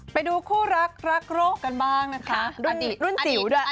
ไปดูคู่รักรักโรคกันบ้างนะคะ